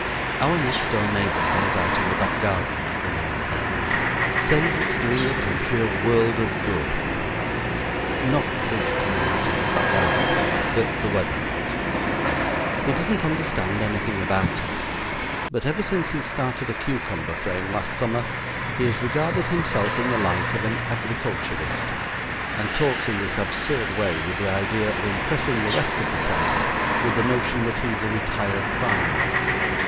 Our next door neighbor comes out in the back garden every now and then and says it's doing the country a world of good not his coming out into the back garden, but the weather. He doesn't understand anything about it, but ever since he started a cucumber frame last summer he has regarded himself in the light of an agriculturist, and talks in this absurd way with the idea of impressing the rest of the terrace with the notion that he is a retired farmer.